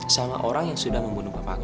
sama orang yang sudah membunuh bapak aku